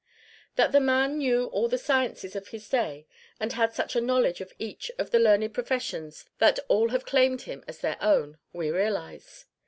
That the man knew all the sciences of his day, and had such a knowledge of each of the learned professions that all have claimed him as their own, we realize.